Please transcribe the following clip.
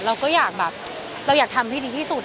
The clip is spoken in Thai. เราก็อยากทำที่ดีที่สุด